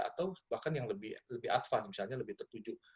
atau bahkan yang lebih advance misalnya lebih tertuju